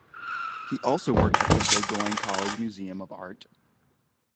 He also worked at the Bowdoin College Museum of Art.